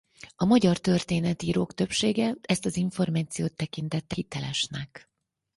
A magyar történetírók többsége ezt az információt tekintette hitelesnek.